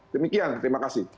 demikian terima kasih